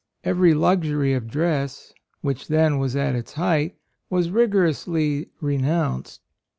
Every luxury of dress, which then was at its height, was rigorously re nounced.